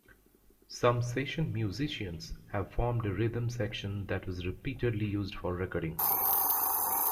Some session musicians have formed a rhythm section that was repeatedly used for recordings.